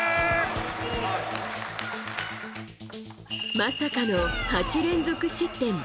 まさかの８連続失点。